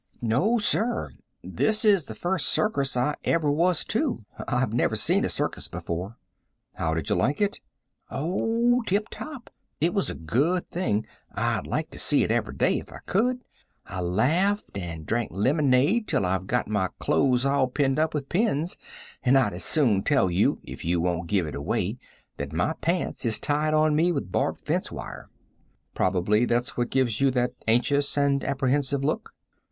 "No, sir. This is the first circus I ever was to. I have never saw a circus before." "How did you like it?" "O, tip top. It was a good thing. I'd like to see it every day if I could, I laughed and drank lemonade till I've got my cloze all pinned up with pins, and I'd as soon tell you, if you wont give it away, that my pants is tied on me with barbed fence wire." "Probably that's what gives you that anxious and apprehensive look?"